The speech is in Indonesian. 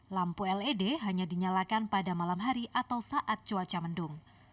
lampu led hanya dinyalakan pada malam hari atau saat cuaca mendung